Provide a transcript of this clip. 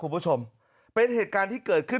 เป็นเหตุการณ์ที่เกิดขึ้น